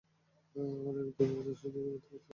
আমরা একটা দুর্যোগ এই মুহূর্তে ফেস করছি!